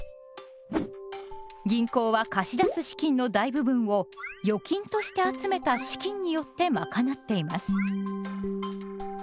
銀行は貸し出す資金の大部分を預金として集めた資金によってまかなっています。